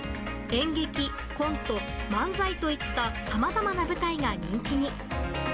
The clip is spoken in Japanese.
演劇、コント、漫才といったさまざまな舞台が人気に。